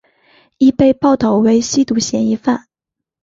亦被报导为吸毒嫌疑犯。